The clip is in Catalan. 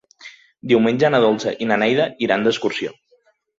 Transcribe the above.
Diumenge na Dolça i na Neida iran d'excursió.